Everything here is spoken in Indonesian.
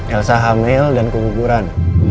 elsa hamil dan keguguran